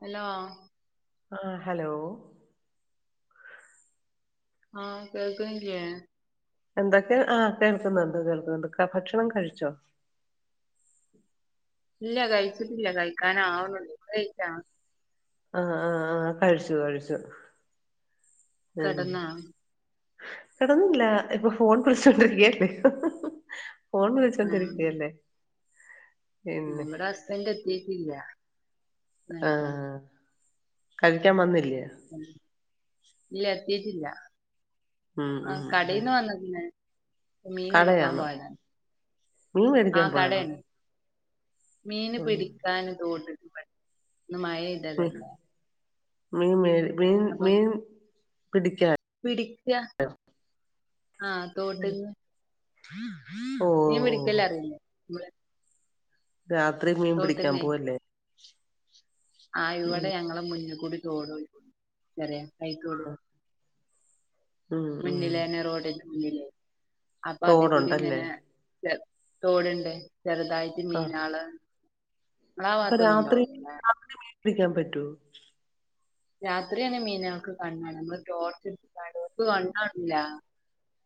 Hello ആഹ് hello ആഹ് കേൾക്ക്ന്നില്ല്യേ എന്തൊക്കെ ആഹ് കേൾക്കുന്നുണ്ട് കേൾക്കുന്നുണ്ട് ക ഭക്ഷണം കഴിച്ചോ? ഇല്ല കഴിച്ചിട്ടില്ല കഴിക്കാനാവ്ണുള്ളൂ ഇങ്ങള് കഴിച്ചാ? ആഹ് ആഹ് ആഹ് കഴിച്ചു കഴിച്ചു. കെടന്നാ കെടന്നില്ല ഇപ്പൊ ഫോൺ കളിച്ചോണ്ടിരിക്കയല്ലേ ഫോൺ വിളിച്ചൊണ്ടിരിക്കയല്ലേ ഉം ഇവിടെ ഹസ്ബൻ്റ് എത്തീട്ടില്ല. ആഹ് കഴിക്കാൻ വന്നില്ലേ? ഉം ഇല്ല എത്തീട്ടില്ല. ഉം ആഹ് ഉം ഉം കടേന്ന് വന്ന്ക്ക്ന്ന്. ഇപ്പം മീൻ പിടിക്കാൻ കടയാണോ പോയതാണ് മീൻ ആ മേടിക്കാൻ പോയാണോ കടയാണ്. മീന് ഉം പിടിക്കാൻ തോട് ഇന്ന് ഉം മഴെയ്തതല്ലേ മീൻ വേ മീൻ മീൻ പിടിക്കാൻ പിടിക്ക ആഹ് ഓഹ് തോട്ട്ന്ന്. മീൻ പിടിക്കല് ഓഹ് അറിയില്ലേ [unintelligible] രാത്രി മീൻ പിടിക്കാൻ തോട്ടിന്നേ പോവല്ലേ ആ ഉം ഇവിടെ ഞങ്ങളെ മുന്നു കൂടി തോടൊഴുകും ചെറിയ കൈത്തോട്. ഉം ഉം മുന്നിലെന്നെ റോഡിന്റെ മുന്നിലെ. അപ്പോ അതി കൂടി തോടുണ്ടല്ലേ ഇങ്ങനെ [unintelligible] തോട്ണ്ട് ചെറുതായിട്ട് മീനാള് നിങ്ങളാ അപ്പോ ഭാഗത്തൊന്നും രാത്രി ഉണ്ടാവൂലല്ലേ രാത്രി മീൻ പിടിക്കാൻ പറ്റോ? രാത്രിയാണ് മീന്കൾക്ക് കണ്ണാണ നമ്മള് ടോർച്ച് എട്ത്തുക്കാണ്ട് ഓര്ക്ക് കണ്ണാണൂല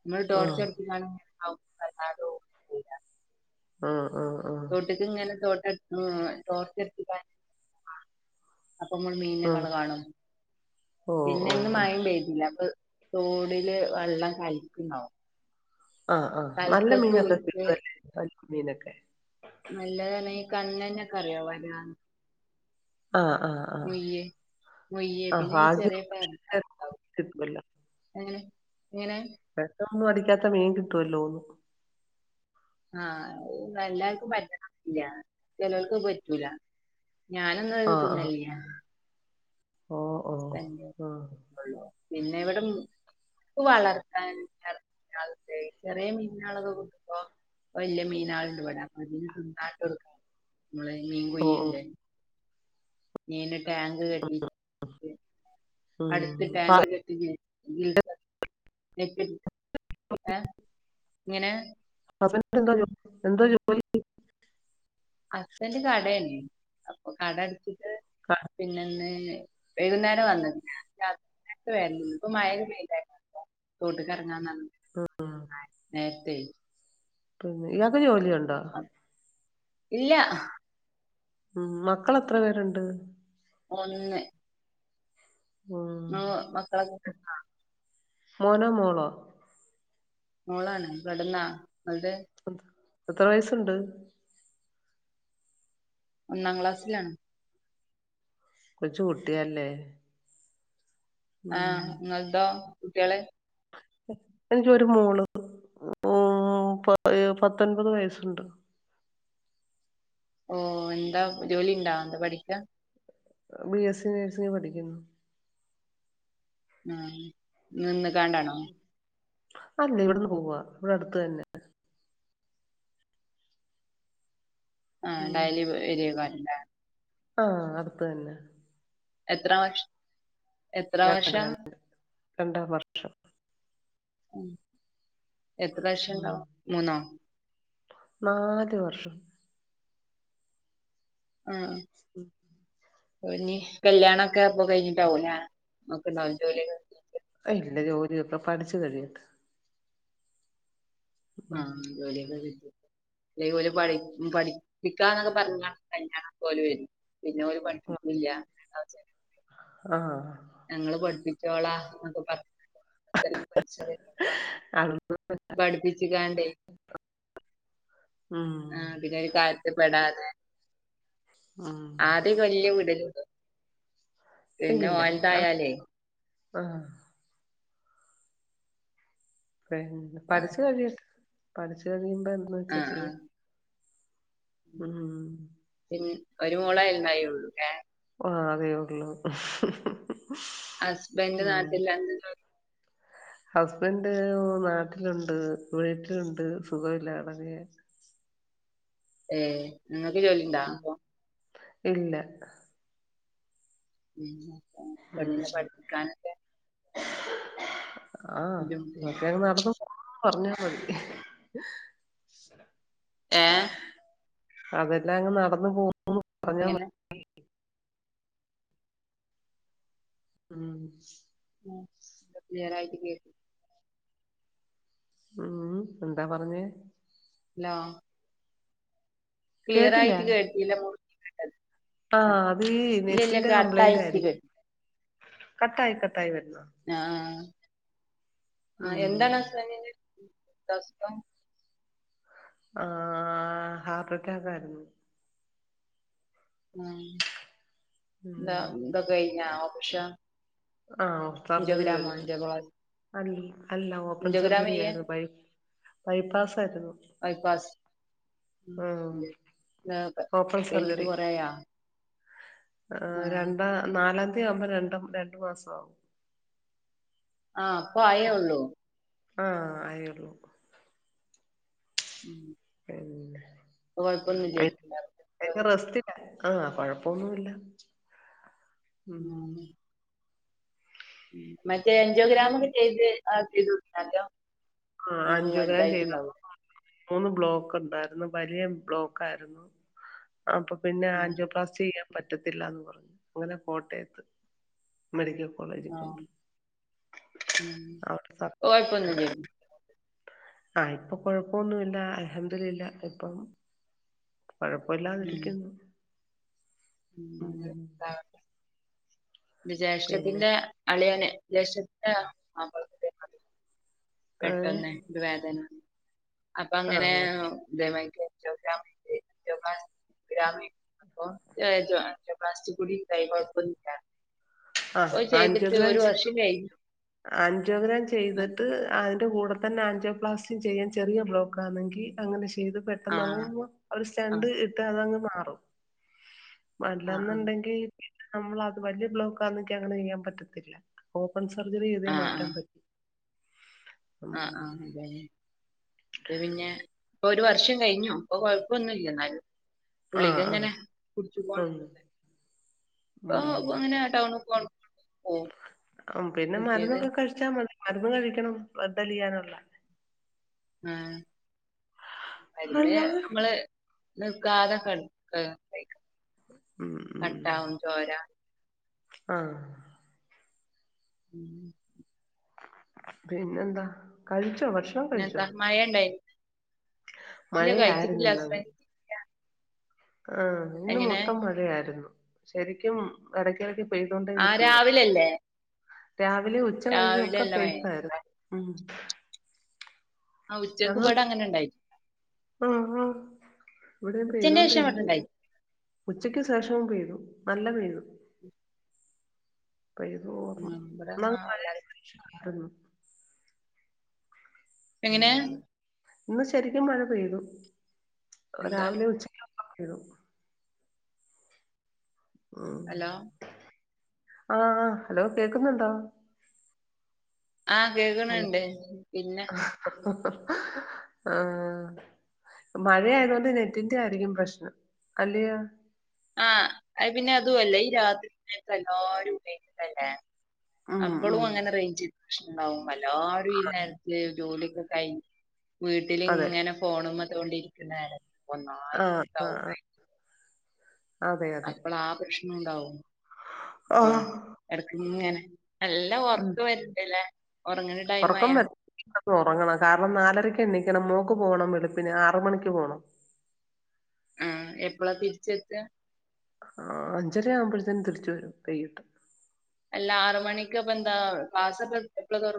നമ്മള് ആഹ് ടോർച്ചെടുത്തി [unintelligible] ആ തോട്ട്ക്ക്ങ്ങനെ തോട്ട ടോർച്ചടിച്ചു കാണിച്ചു ആ അപ്പൊ ഇമ്മള് മീനിനെ ആഹ് [unintelligible] കാണും ഓഹ് പിന്നെ ഓഹ് ഇന്നു ഓഹ് മയയും പെയ്തില്ല അപ്പൊ തോടില് വെള്ളം കലിക്കുണ്ടാവോ ആ ആ നല്ല മീനൊക്കെ കിട്ടുവല്ലേ വലിയ മീനൊക്കെ? നല്ലത് തന്നെ ഈ കണ്ണന്നൊക്കെ അറിയോ വരാ ആഹ് ആഹ് ആഹ് മൊയ്യേ മൊയ്യേ ആഹ് പിന്നെ ഈ ഭാഗ്യം ചെറിയ [unintelligible] ഇണ്ടാവും [unintelligible] എങ്ങനെ ഒന്നും അടിക്കാത്ത മീൻ കിട്ടുവല്ലോന്ന് ആ എല്ലാർക്കും പറ്റണംന്നില്ല ചെലോൽക്ക് അത് പറ്റൂല. ഞാനൊന്നും അത് ആഹ് ആഹ് തിന്നലില്ല ഓഹ് ഓഹ് ആഹ് [unintelligible] പിന്നെ ഇവിടെ മൂ ക്ക് വളർത്താൻ [unintelligible] ചെറിയ മീനള്ളത് കൊണ്ടിപ്പോ വല്യ മീനാളുണ്ടിവിടെ [unintelligible] മീൻ ഓഹ് ഓഹ് കൊയുല്ലേ മീന് ടാങ്ക് കെട്ടി, അടുത്ത് ഉം ടാങ്ക് കെട്ടി [unintelligible] ആ എങ്ങനേ? [unintelligible] ഹസ്ബന്റ് കടയാന് അപ്പൊ കട അടച്ചിട്ട് ആ, പിന്നെന്ന് വൈകുന്നേരം വന്ന് [unintelligible] ഇപ്പ മയ ഒന്ന് പെയ്താരുന്നു [unintelligible] [unintelligible] ഉം നേരത്തേ പിന്നെ ഇയാക്ക് ജോലിയൊണ്ടോ? ഇല്ല ഉം മക്കളെത്ര പേരൊണ്ട്? ഒന്ന് ഉം മ് മക്കള മോനോ മോളോ? മോളാണ് കെടന്നാ അവിടെ? എത്ര വയസ്സൊണ്ട്? ഒന്നാം ക്ലാസ്സിലാണ് കൊച്ചു കുട്ടിയാല്ലേ? ആ നിങ്ങള്തോ കുട്ടികള്? എനിക്കും ഒര് മോള് ഉം പ പത്തൊൻപത് വയസ്സുണ്ട് ഓ എന്താ ജോലിണ്ടാ എന്താ പഠിക്യ? ബി എസ് സി നേഴ്സിംഗ് പഠിക്കുന്നു ആ നിന്ന് കാണ്ടാണോ? അല്ല ഇവിട്ന്ന് പോവ്വാ ഇവിടെ അടുത്ത് തന്നെ ആ ഡയലി പോയിവരികാണ് ആ അടുത്ത് തന്നെ എത്ര വർഷ് എത്ര രണ്ട് വർഷാ? ര രണ്ടാം വർഷം ഉം എത്ര ഉം വർഷണ്ടാവും മൂന്നോ? നാല് വർഷം ആ ഉം ഇപ്പനി കല്യാണൊക്കെ അപ്പ കഴിഞ്ഞിട്ടാവുംല്ലേ നോക്കുണ്ടോ ജോലിയൊക്കെ ഇല്ല ജോലി ഇപ്പം പഠിച്ചു കഴിയട്ട് ആ ജോലിക്കെ കിട്ടി തേ പോലെ പഠി പഠിപ്പിക്കാന്നൊക്കെ പറഞ്ഞ്കാണ്ട് കല്യാണ പോലെ വരു പിന്നെ ഓല് പഠിപ്പിക്കില്ല ആ ഞങ്ങള് പഠ്പ്പിച്ചോളാം എന്നൊക്കെ പറ അത്രയേം പൈസകെട്ടി അത് പഠിപ്പിച്ച്കാണ്ടേ ഉം ആ [unintelligible] കാര്യത്തിപ്പെടാതെ ഉം ആദ്യക്കെ വല്യ വിടല് വി പിന്നെ ഓല്തായാലെ ആ പിന്നെ ആഹ് പഠിച്ചു കഴിയട്ട് പഠിച്ചു കഴിയുമ്പൊ എന്തന്ന് വെച്ചാ ആഹ് ആഹ് ചെയ്യാം ഉം പിന്നെ ഒരു മോളെ എന്തായാലും ഒള്ളൂ ഏ ആ അതേ ഒള്ളൂ ഹസ്ബന്റ് നാട്ടില ഹസ്ബൻഡ് നാട്ട്ലുണ്ട്. വീട്ട്ലുണ്ട്. സുഖവില്ലാകെടക്കുകയാ. ഏഹ് ഇങ്ങക്ക് ജോലി ഇണ്ടാ ഉം അപ്പൊ? ഇല്ല. പിന്നെ പ്പൊ ഉം പെണ്ണിനെ പഠിപ്പിക്കാനൊക്കെ. ആഹ് ബുദ്ധിമുട്ടില്ലേ ഒക്കെങ്ങ് നടന്ന് പോവാ ന്ന് പർഞ്ഞാ മതി. ഏഹ് അതെല്ലാങ്ങ് നടന്ന് പോവുന്നു ന്ന് പറഞ്ഞാ എങ്ങനെ മതി. ഉം. ക്ലിയറായിട്ട് കേ ഉം എന്താ പറഞ്ഞെ? ലോ. കേട്ടില്ല ക്ലിയറായിട്ട് കേട്ടില മുർഞ്ഞ് ആഹ് അത് ഇല്ല നെറ്റിന്റെ കട്ടായിട്ട് കംപ്ലയിന്റായിര്ക്കും. കേട്ട് കട്ടായി കട്ട ആഹ്. ആഹ് ഉം എന്താണ് ഹസ്ബെന്റിന് അസുഖം? ആഹ് ഹാർട്ട് അറ്റാക്കായിരുന്നു. ഉം ന്താ ഉം ഇതൊക്കെഴിഞ്ഞൊ ഓപ്രഷം? ആഹ് സർജറി കഴിഞ്ഞു. അല്ല അല്ല ഓപ്പൺ അഞ്ചോഗ്രാം ചെയ്യേ സർജറിയായിര്ന്നു. ബൈ ബൈപ്പാസായിര്ന്നു. ബൈപാസ് ഉം ആഹ് എന്തേ ഏക് ഓപ്പൺ കെയ്ഞ്ഞിട്ട് സർജറി കൊറേയാ ആഹ് രണ്ടാ നാലാംതി ആവുമ്പൊ രണ്ടും രണ്ട് മാസാവും ആഹ് ഇപ്പൊ ആയേ ഉള്ളൂ. ആഹ് ആയേ ഉള്ളൂ. ഉം [unintelligible] അയ്ൻ്റെ റെസ്റ്റിലാ ആഹ് കൊഴപ്പൊന്നൂല്ല ഉം മറ്റേ എഞ്ചോ ഗ്രാമൊക്കെ ചെയ്ത് അത് ചെയ്തോക്കീന്നോ ആദ്യം ആഹ് ആഞ്ച്യോഗ്രാം ചെയ്തു അപ്പൊ [inaudible] മൂന്ന് ബ്ലോക്ക് ഇണ്ടായിര്ന്നു വലിയ ബ്ലോക്കായിരുന്നു അപ്പൊ പിന്നെ ആഞ്ച്യോ പ്ലാസ്റ്റീയ്യാം പറ്റത്തില്ലാന്ന് പറഞ്ഞു അങ്ങനെ കോട്ടയത്ത് മെഡിക്ക ആഹ് ഉം അവിടെ കൊഴപ്പൊന്നും ഇല്ല്യെടീ ആ ഇപ്പോ കൊഴപ്പൊന്നുല്ല അൽഹംദുലില്ല ഇപ്പം കൊഴപ്പൂല്ലാതിരിക്കുന്നു ഉം [unintelligible] ന്റെ പിന്നെ ജേഷ്ഠത്തിന്റെ അളിയന് ജേഷ്ഠത്തിന്റെ മാപ്പളക്ക് ഇതേ മാതിരി ഏഹ് പെട്ടന്ന് ഇത് വേദന വന്ന് അപ്പ അങ്ങനെ അതെ ഇതേമാരി ആഞ്ച്യോപ്ലാസ് ഗ്രാമെ [inaudible] അപ്പോ ആഞ്ചിയോപ്ലാസ്റ്റി കൂടി കയ്മെ എളുപ്പം ചിയ്യാർ ആഹ് ഓൽ ചെയ്തിട്ട് ഒരു വർഷം കയ്ഞ്ഞു. ആഞ്ചോ ഗ്രാം ചെയ്തിട്ട് അ അതിന്റെ കൂടെ തന്നെ ആൻോപ്ലാസ്റ്റി ചെയ്യാൻ ചെറിയൊരു ബ്ലോക്കാണെങ്കി അങ്ങനെ ചെ യ്ത് ആഹ് പെട്ടെന്നാതാവുമ്പം അവര് സ്റ്റണ്ട് ആഹ് ഇട്ട് അതങ്ങ് മാറും ആഹ് ആഹ് മല്ലന്നുണ്ടങ്കി നമ്മളത് വെല്ല്യ ബ്ലോക്കാന്നൊക്ക്യാണ് യ്യാം പറ്റത്തില്ല ഓപ്പൺസ് സർജറി ചെയ്തേ മാറ്റം പറ്റി. ആ ആ അതെ അത് പിന്നെ ഇപ്പൊ ഒരു വർഷം കഴിഞ്ഞു ഇപ്പോ കൊഴപ്പൊന്നൂല്ലെന്നാലും ആഹ് ആഹ് പുള്ളിക്കങ്ങനെ ഉം കുടിചുങ്ങോണ്ടിരിക്കണ്ടേ ഉം ഇപ്പോ അങ്ങനെ ടൗണ [unintelligible] ഓ ആം പിന്നെ മരന്നൊക്കെ കഴിച്ചാ മതി മരുന്ന് കഴിക്കണം വതലിയാനുള്ള ഉം മര്ന്ന് അല്ലാതെ അമ്മള് നിൽക്കാതെ കഴ് കവൈ ഉം കട്ടാകും ചോര ആ ഉം പിന്നെന്താ കഴിച്ചോ ഭക്ഷണം കഴിച്ചോ പിന്നെന്താ മഴ ഉണ്ടായി ഇല്ല മഴയായിരുന്നു കഴിച്ചിട്ടില്ല [unintelligible] ആം ഇന്ന് എങ്ങനെ മൊത്തം മഴയായിരുന്നു ശരിക്കും ഇടക്കെടക്ക് ആ രാവിലെല്ലേ രാവിലെ ഉച്ച കഴിഞ് ഒക്കെ പൈക്കായിരുന്നു ആ ഉച്ചക്ക് ബടെഅങ്ങനെ ഇണ്ടായി ആ ആ ഇവടെ ഉച്ചന്റെ ശേഷം ഇവിടെ ഉണ്ടായി പൈതോണ്ടിരിക്കായിരുന്നു ഉച്ചക്ക് ശേഷം നല്ലോ പൈതു നല്ല പെയ്തു പെയ്തുതോർന്നു ഇവിടെല്ലാ ന [unintelligible] എങ്ങനെ ഉം ഇന്ന് ശരിക്കും മഴ പെയ്തു എന്താ രാവിലെ ഉച്ചക്ക് ഒക്കെമഴ പെയ്തു അല്ല ആ ഹലോ കേക്കുന്നുണ്ടോ അ ഹലോ കേക്ണണ്ട് പിന്നെ അ ആഹ് ഹ്.. ആം ആ മഴആയതൊണ്ട് നെറ്റിന്റെ ആയിരിക്കും പ്രശ്നം അല്ലയോ ആഹ പിന്നെ അതുഅ ല്ലെ ഈ രാത്രിപിന്നെ അപ്പോ എല്ലരും ഉഭയോഗിക്കല്ലേ ഉം അപ്പളും ഉം അങ്ങനെ റൈഞ്ചിൻ പ്രശ്നണ്ടാകും എല്ലാരും ഈ നേരത്തെ ജോലി ഒക്കെ കൈഞ്ഞ് അതെ വീട്ടിലിങ്ങനെ ഫോണുമ്മേ ത്തൊണ്ടിരിക്കാകാരം ആഹ് ആഹ് ഒന്നായിട്ടുണ്ടാകും ആഹ് റെയിഞ്ച് അതെ അതെ അപ്പളാ ആ പ്രശ്നോ ണ്ടാകും അപ്പ ആഹ് എടക്കിങ്ങനെ നല്ല ഉം ഉറക്ക് വരിനിണ്ടലെ ഉറങ്ങണ ടൈം ആയോ ഇപ്പ ഒറങ്ങണം കാരണം നാലരക്ക് എണീക്കണം മോക്ക് പോണം വെളുപ്പിന് ആറ് മണിക്ക് പോണം ആഹ് എപ്പളാ തിരിച്ചെത്താ ആ അഞ്ചര ആവുമ്പോഴേതിൻ തിരിച്ചു വരും കൈയിട്ട് അല്ല ആർ മണിക്ക്പ്പന്താ ക്ലാസ്പ്പ എപ്പള തോറ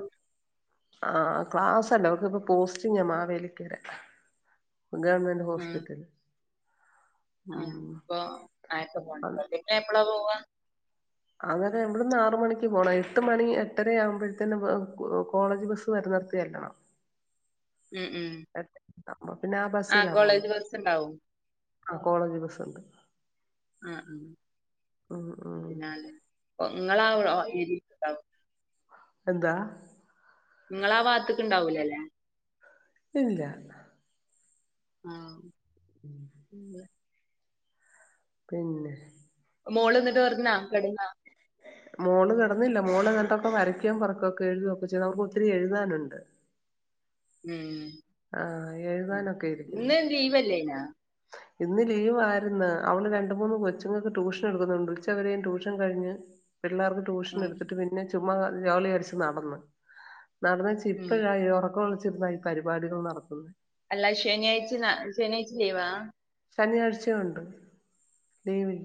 ആഹ ക്ലാസ്സ്ല്ലാ അവൾക്ക് ഇപ്പം പോസ്റ്റിങ്ങാ മാവേലിക്കര.. ഗവൺമെൻറ് ഹോസ്പിറ്റൽ.. ആഹ ഉം ഇപ്പൊ ആയപ്പെ പോണ്ടന്നെ പിന്നെ എപ്പള്ളാ പോവാ... അതൊക്കെ ഇബ്ടെന്ന് ആർമണിക്ക് പോണം എട്ട് മണി എട്ടര ആവുമ്പോഴത്തിന്ന് കോളേജ് ബസ്സ് വര. നിർത്തി ത്തരലോ... ഉം ഉം പിന്നെ ആ ആഹ് ബസ്സിലാ പോണ് കോളേജ് ബസ്സ്ണ്ടാവും ആ കോളേജ് ബസ്സുണ്ട്.. ആ ആ ഉം ഉം ഉം പിന്നാലെ... ങ്ങാളവ് ഔ ഓ രിപ്പാ... എന്താ.. ഇങ്ങള ആ ഭാത്തക്ക് ഉണ്ടാവൂലല്ലേ.. ഇല്ല്യാ... ആഹ ഉം പിന്നെ മോൾ എന്നിട്ട് പറഞ്ഞ് കെടന്നാ മോള് കിടന്നില്ല മോള് ഏതാണ്ടൊക്കൊ വരകോം പെറക്കൊക്കെ എഴുതൊക്കെ ചെയ്യണ് അവൾക്ക് ഒത്തിരി എഴുതാനുണ്ട് ഉം ആ എഴുതാനൊക്കെ ഇരിക്കുന്നു ഇന്ന് ലീവ് അല്ലയ്ന്നാ ഇന്ന് ലീവ് ആയിരുന്ന് അവള് രണ്ട് മൂന്ന് കൊച്ചുങ്ങൾക്ക് ട്യൂഷൻ എടുക്കുന്നുണ്ട് ഉച്ച വരെയും ട്യൂഷൻ കഴിഞ്ഞ് പിള്ളേർക്ക് ട്യൂഷൻ ഉം എടുത്തിട്ട് പിന്നെ ചുമ്മാ ജോളി അടിച്ച് നടന്ന് നടന്നേച്ച് ഉം ഇപ്പഴാ ഈ ഉറക്കം ഒളിച്ചിരുന്ന് ഈ പരിപാടികൾ നടത്തുന്നുന്നത് അല്ല ശനിയാഴ്ച്ച ന ശനിയാഴ്ച്ച ലീവാ ശനിയാഴ്ചയും ഉണ്ട്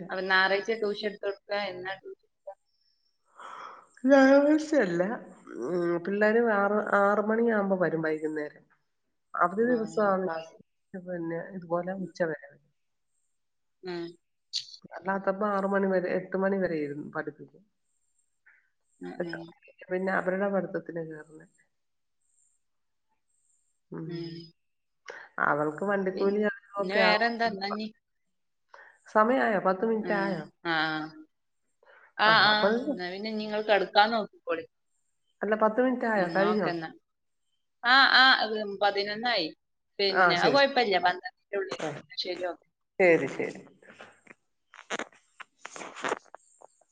അപ്പ ഞായറാഴ്ച ടൂഷൻ എടുത്ത് കൊടുക്ക എന്നാ ടൂഷൻ കൊടുക്കാ ഞായാറായ്ച്ച അല്ലാ ഉം പിള്ളേരും ആറ് ആറ് മണിയ ആകുമ്പോ വരും വൈകുന്നേരം അവധി ആഹ് ദിവസമാണങ്കിൽ ക്ലാസ് പിന്നെ ഇതുപോലെ ഉം ഉച്ച വര ഉം അല്ലാത്തപ്പോ ആറ് മണി വരെ എട്ട് മണി വരെ ഇരുന്നു പഠിപ്പിക്കും ഉം എന്നിട്ട് പിന്നെ അവരുടെ പഠിത്തത്തിന് കയറുന്നെ ഉം അവൾക്ക് പിൻ- വണ്ടിക്കൂലി അതും പിന്നെ ഒക്കെ വേറെന്താ ആകും എന്നാഞ്ഞി സമയ ആയോ ഉം ആഹ് ആ ആഹ് ആ അപ്പൊ എന്ന പിന്നെ ഇനി നിങ്ങൾ കെടക്കു കെടക്കാൻ നോക്കക്കോളീൻ അല്ല പത്ത് മിനിറ്റ് ഉം ആയോ എന്നാ ഓക്കേ കഴിഞ്ഞോ എന്നാ ആ ആ പതിനൊന്നായി ആഹ് പിന്നെ അത് ശരി കൊഴപ്പില്ല പത്രണ്ടിന് ഉള്ളിൽ ശരി ഓക്കെ ശരി ശരി.